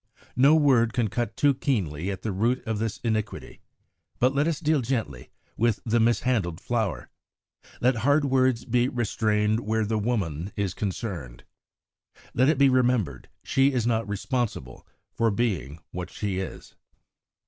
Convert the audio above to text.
No word can cut too keenly at the root of this iniquity; but let us deal gently with the mishandled flower. Let hard words be restrained where the woman is concerned. Let it be remembered she is not responsible for being what she is.